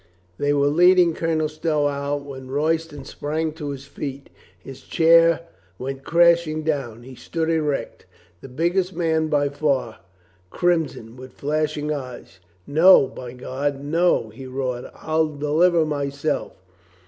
They were leading Colonel Stow out when Roy ston sprang to his feet. His chair went crashing down. He stood erect, the biggest man by far, crim son, with flashing eyes. "No, by God, no!" he roared. "I'll deliver myself."